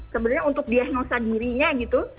sebenarnya untuk dia mengusah dirinya gitu